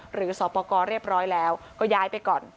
สอบประกอบเรียบร้อยแล้วก็ย้ายไปก่อน